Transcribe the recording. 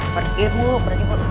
pergi dulu pergi dulu